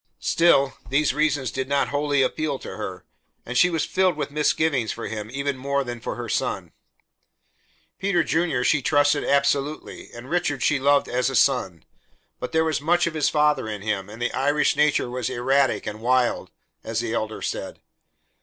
Still, these reasons did not wholly appeal to her, and she was filled with misgivings for him even more than for her son. Peter Junior she trusted absolutely and Richard she loved as a son; but there was much of his father in him, and the Irish nature was erratic and wild, as the Elder said.